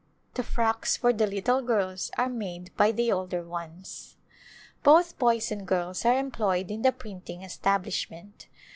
The frocks for the little girls are made by the older ones. Both boys and girls are employed in the printing establishment.